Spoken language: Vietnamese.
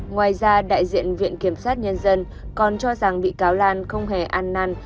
ngoài ra đại diện viện kiểm sát nhân dân còn cho rằng bị cáo lan không hề an năn